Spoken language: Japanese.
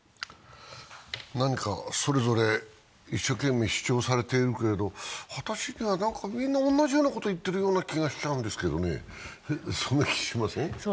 何かそれぞれ一生懸命主張されているけれども、私にはみんな同じようなことを言っているような気がしちゃうんですけどね、そんな気しません？